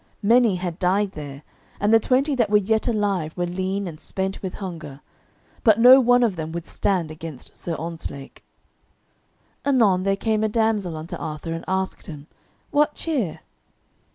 Many had died there, and the twenty that were yet alive were lean and spent with hunger, but no one of them would stand against Sir Ontzlake. Anon there came a damsel unto Arthur and asked him, "What cheer?"